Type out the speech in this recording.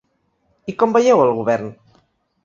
I com veieu el govern?